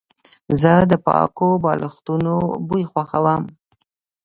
زه د پاکو بالښتونو بوی خوښوم.